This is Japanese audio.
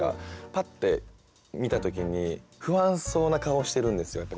パッて見た時に不安そうな顔をしてるんですよニジマスが。